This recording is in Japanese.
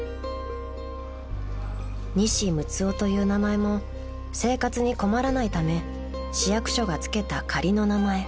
［西六男という名前も生活に困らないため市役所が付けた仮の名前］